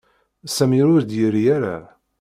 Sami ur d-yerri ara.